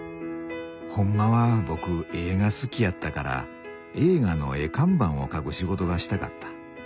ほんまは僕絵が好きやったから映画の絵看板を描く仕事がしたかった。